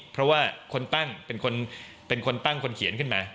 เพราะว่าคนตั้งเป็นคนตั้งคนเขียนขึ้นมา